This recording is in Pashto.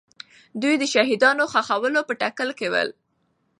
دوی د شهیدانو ښخولو په تکل کې وو.